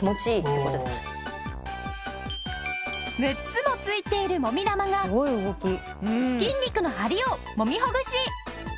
６つもついているもみ玉が筋肉の張りをもみほぐし！